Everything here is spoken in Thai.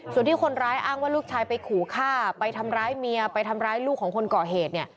ส่วนที่คนร้ายอ้างว่าลูกชายไปขู่ฆ่าไปทำร้ายเมียไปทำร้ายลูกของคนก่อเหตุเนี่ย